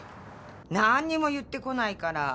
なんにも言ってこないから。